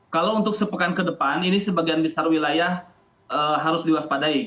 kalau untuk sepekan ke depan ini sebagian besar wilayah harus diwaspadai